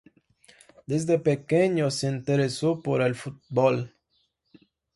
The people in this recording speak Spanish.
Desde pequeño se interesó por el fútbol.